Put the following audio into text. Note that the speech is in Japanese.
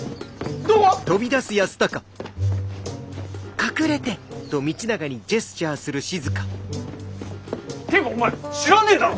どこ！？ってかお前知らねえだろ顔！